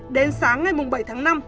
đến sáng ngày bảy tháng năm